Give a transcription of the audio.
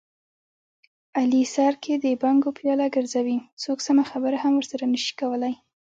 علي سر کې د بنګو پیاله ګرځوي، څوک سمه خبره هم ورسره نشي کولی.